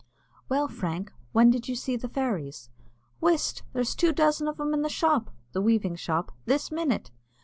"Well, Frank, when did you see the fairies?" "Whist! there's two dozen of them in the shop (the weaving shop) this minute.